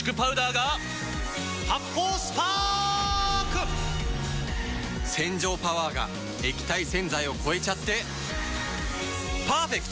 発泡スパーク‼洗浄パワーが液体洗剤を超えちゃってパーフェクト！